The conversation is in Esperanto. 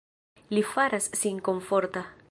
Li faras sin komforta.